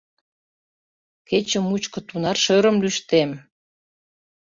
Кече мучко тунар шӧрым лӱштем!..